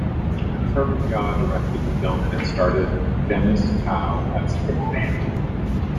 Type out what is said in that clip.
Herman Yau directed the film and it starred Dennis To as Ip Man.